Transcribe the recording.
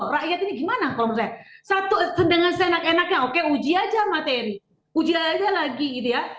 rakyat ini gimana kalau misalnya satu dengan seenak enaknya oke uji aja materi uji aja lagi gitu ya